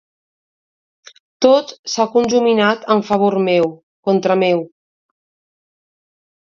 Tot s'ha conjuminat en favor meu, contra meu.